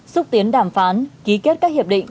xúc tiến đàm phán ký kết các hiệp định